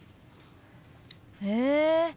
へえ！